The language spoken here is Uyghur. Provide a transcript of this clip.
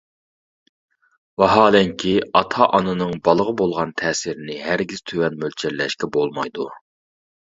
ۋاھالەنكى، ئاتا-ئانىنىڭ بالىغا بولغان تەسىرىنى ھەرگىز تۆۋەن مۆلچەرلەشكە بولمايدۇ.